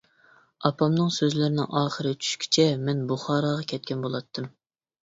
ئاپامنىڭ سۆزلىرىنىڭ ئاخىرى چۈشكىچە مەن بۇخاراغا كەتكەن بولاتتىم.